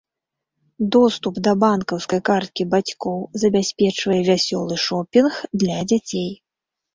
Доступ да банкаўскай карткі бацькоў забяспечвае вясёлы шопінг для дзяцей.